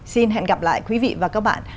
xin hẹn gặp lại quý vị và các bạn